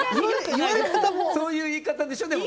そういう言い方でしょ